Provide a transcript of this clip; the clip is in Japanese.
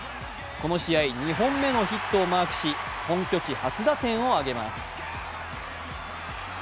この試合、２本目のヒットをマークし、本拠地初打点をあげます。